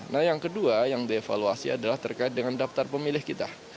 nah yang kedua yang dievaluasi adalah terkait dengan daftar pemilih kita